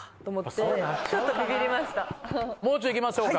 もう中いきましょうか。